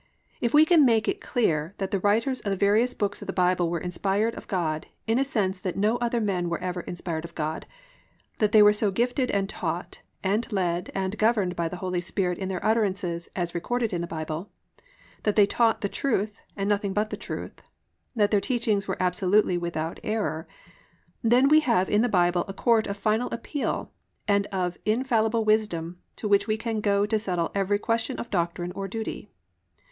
If we can make it clear that the writers of the various books of the Bible were inspired of God in a sense that no other men were ever inspired of God, that they were so gifted and taught and led and governed by the Holy Spirit in their utterances as recorded in the Bible, that they taught the truth and nothing but the truth, that their teachings were absolutely without error,—then we have in the Bible a court of final appeal and of infallible wisdom to which we can go to settle every question of doctrine or duty.